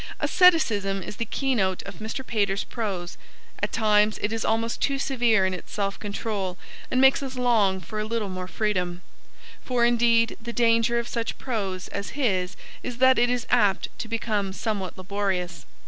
Asceticism is the keynote of Mr. Pater's prose; at times it is almost too severe in its self control and makes us long for a little more freedom. For indeed, the danger of such prose as his is that it is apt to become somewhat laborious.